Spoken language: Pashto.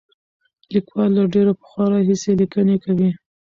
لیکوال له ډېر پخوا راهیسې لیکنې کوي.